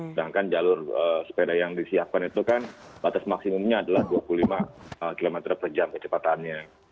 sedangkan jalur sepeda yang disiapkan itu kan batas maksimumnya adalah dua puluh lima km per jam kecepatannya